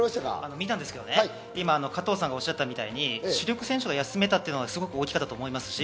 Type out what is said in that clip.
見たんですけど、加藤さんがおっしゃったように主力選手を休めたのは大きかったと思います。